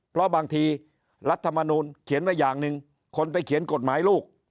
เพราะบางทีรัฐมนูลเขียนไว้อย่างหนึ่งคนไปเขียนกฎหมายลูก